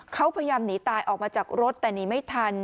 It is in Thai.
เขาพยายามหนีตายออกมาจากรถแต่หนีไม่ทัน